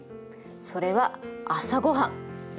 それは朝ごはん。